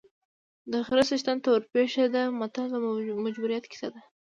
د خره څښتن ته ورپېښه ده متل د مجبوریت کیسه ده